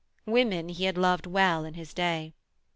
Women he had loved well in his day.